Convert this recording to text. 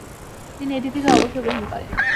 তিনি এটি থেকে অবসর গ্রহণ করেন।